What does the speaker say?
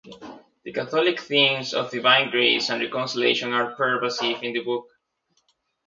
The Catholic themes of divine grace and reconciliation are pervasive in the book.